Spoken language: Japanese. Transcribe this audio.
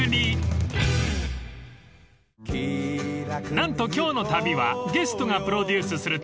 ［何と今日の旅はゲストがプロデュースする旅］